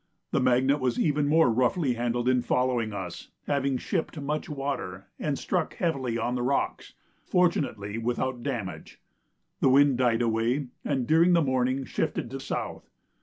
The Magnet was even more roughly handled in following us, having shipped much water and struck heavily on the rocks fortunately without damage. The wind died away, and during the morning shifted to south.